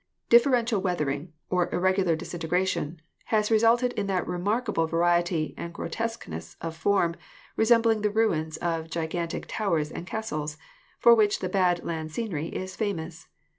Differential weathering, or irregular disintegration, has resulted in that remarkable variety and grotesqueness of form resembling the ruins of gigantic towers and castles, for which the bad land scenery is famous.